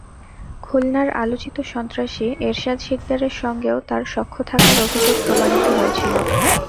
খুলনার আলোচিত সন্ত্রাসী এরশাদ শিকদারের সঙ্গেও তাঁর সখ্য থাকার অভিযোগ প্রমাণিত হয়েছিল।